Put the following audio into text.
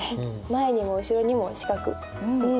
前にも後ろにも四角うん。